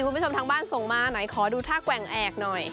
คุณทำทางบ้านส่งมาหน่อยขอดูท่ากแกว่งแอกหน่อย